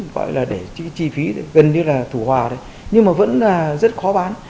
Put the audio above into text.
gọi là để chi phí gần như là thủ hòa đấy nhưng mà vẫn rất khó bán